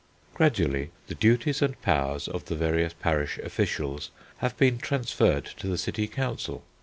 "Gradually the duties and powers of the various parish officials have been transferred to the City Council.